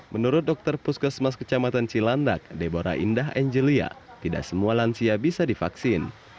menurut dokter puskesmas kecamatan cilandak debora indah angelia tidak semua lansia bisa divaksin